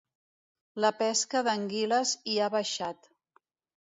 La pesca d'anguiles hi ha baixat.